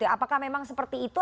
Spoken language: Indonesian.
apakah memang seperti itu